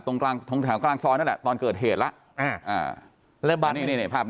ตรงกลางตรงแถวกลางซ้อนนั่นแหละตอนเกิดเหตุแล้วฮะฮะ